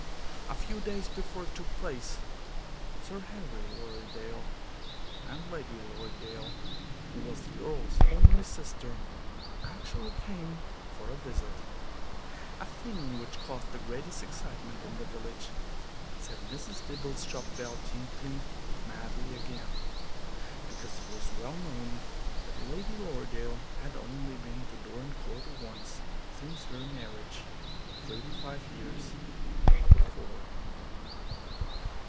A few days before it took place, Sir Harry Lorridaile and Lady Lorridaile, who was the Earl's only sister, actually came for a visit a thing which caused the greatest excitement in the village and set Mrs. Dibble's shop bell tinkling madly again, because it was well known that Lady Lorridaile had only been to Dorincourt once since her marriage, thirty five years before.